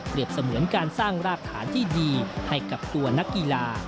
เสมือนการสร้างรากฐานที่ดีให้กับตัวนักกีฬา